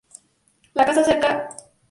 La caza acerca a la verdad de las cosas.